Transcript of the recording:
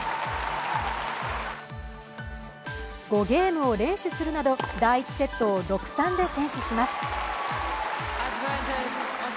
５ゲームを連取するなど第１セットを６−３で先取します。